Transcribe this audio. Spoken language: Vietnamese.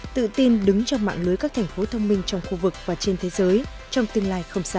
tự tin đứng trong mạng lưới các thành phố thông minh trong khu vực và trên thế giới trong tương lai không xa